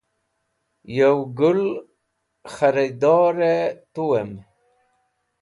Yo Gũl kharador-e tuwam